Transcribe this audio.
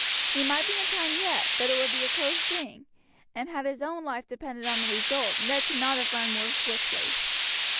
He might be in time yet, but it would be a close thing; and had his own life depended upon the result Ned could not have run more swiftly.